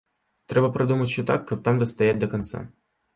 Трэба прадумаць усё так, каб там дастаяць да канца.